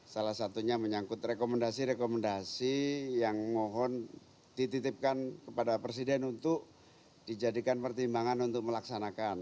salah satunya menyangkut rekomendasi rekomendasi yang mohon dititipkan kepada presiden untuk dijadikan pertimbangan untuk melaksanakan